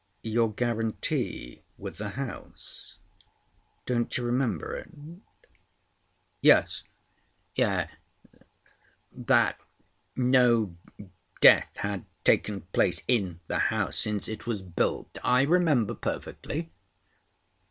"Your guarantee with the house. Don't you remember it?" "Yes, yes. That no death had taken place in the house since it was built: I remember perfectly."